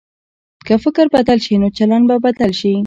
که فکر بدل شي، نو چلند به بدل شي.